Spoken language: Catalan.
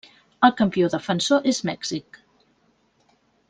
El campió defensor es Mèxic.